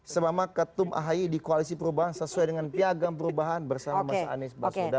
selama ketum ahi di koalisi perubahan sesuai dengan piagam perubahan bersama mas anies baswedan